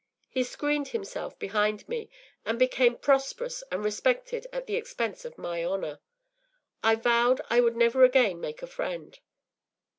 He screened himself behind me, and became prosperous and respected at the expense of my honour. I vowed I would never again make a friend.